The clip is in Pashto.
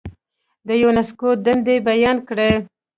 د یونسکو دندې بیان کړئ.